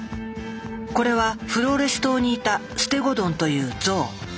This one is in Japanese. これはフローレス島にいたステゴドンというゾウ。